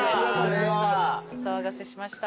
お騒がせしました。